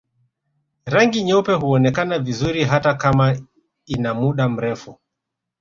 Rangi nyeupe huonekana vizuri hata kama ina muda mrefu